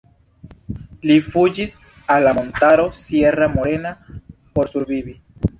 Li fuĝis al la montaro Sierra Morena por survivi.